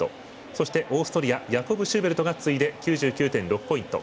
そして、オーストリアヤコブ・シューベルトが次いで９９．６ポイント。